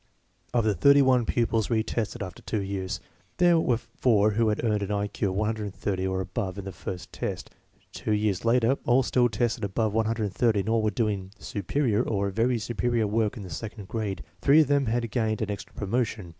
Of the thirty one pupils re tested after two years, there were four who had earned an I Q of 130 or above in the first test. Two years later all still tested above 130 and all were doing "superior" or "very superior" work in the second grade. Three of them had gained an extra promotion.